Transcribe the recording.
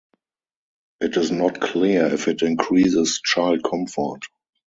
It is not clear if it increases child comfort.